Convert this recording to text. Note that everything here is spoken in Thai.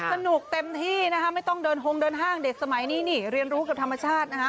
สนุกเต็มที่นะคะไม่ต้องเดินฮงเดินห้างเด็กสมัยนี้นี่เรียนรู้กับธรรมชาตินะคะ